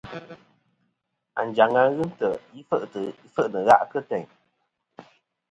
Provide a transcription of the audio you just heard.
Anjaŋ-a ghɨ nt̀' i fe'nɨ gha' kɨ teyn.